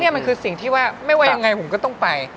นี่มันคือสิ่งที่ว่าไม่ว่ายังไงผมก็ต้องไป